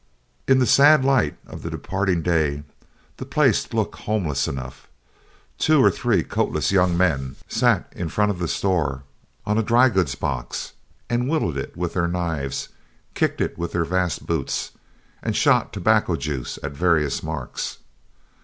In the sad light of the departing day the place looked homeless enough. Two or three coatless young men sat in front of the store on a dry goods box, and whittled it with their knives, kicked it with their vast boots, and shot tobacco juice at various marks.